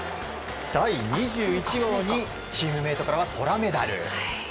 第２１号にチームメートからは虎メダル。